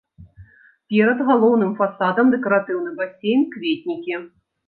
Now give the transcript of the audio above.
Перад галоўным фасадам дэкаратыўны басейн, кветнікі.